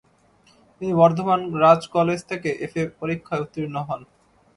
তিনি বর্ধমান রাজ কলেজ থেকে এফএ পরীক্ষায় উত্তীর্ণ হন।